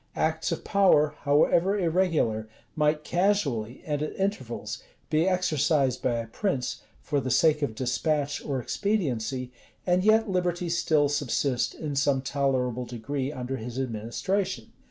Acts of power, however irregular, might casually, and at intervals, be exercised by a prince, for the sake of despatch or expediency, and yet liberty still subsist in some tolerable degree under his administration.